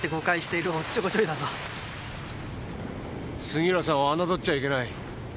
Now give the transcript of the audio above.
杉浦さんを侮っちゃいけない。